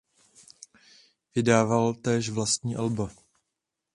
Vydával též vlastní alba.